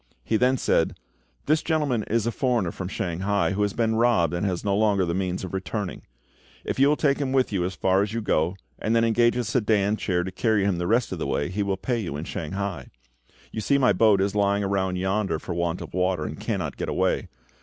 He then said, "This gentleman is a foreigner from Shanghai, who has been robbed, and has no longer the means of returning. If you will take him with you as far as you go, and then engage a sedan chair to carry him the rest of the way, he will pay you in Shanghai. You see my boat is lying aground yonder for want of water, and cannot get away.